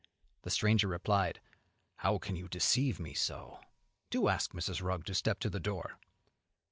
The stranger replied, "How can you deceive me so? do ask Mrs. Rugg to step to the door."